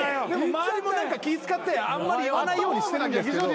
周りも気使ってあんまり言わないようにしてるんですけど。